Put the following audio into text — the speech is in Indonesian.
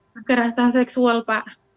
kekerasan seksual pak